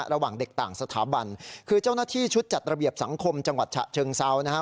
ระหว่างเด็กต่างสถาบันคือเจ้าหน้าที่ชุดจัดระเบียบสังคมจังหวัดฉะเชิงเซานะฮะ